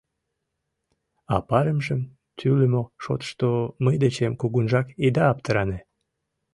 А парымжым тӱлымӧ шотышто мый дечем кугунжак ида аптыране.